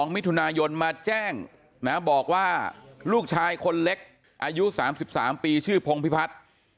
มิถุนายนมาแจ้งนะบอกว่าลูกชายคนเล็กอายุ๓๓ปีชื่อพงพิพัฒน์